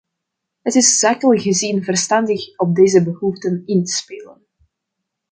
Het is zakelijk gezien verstandig op deze behoeften in te spelen.